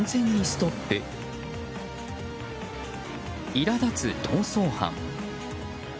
いら立つ逃走犯。